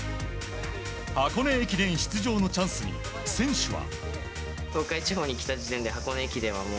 箱根駅伝出場のチャンスに選手は。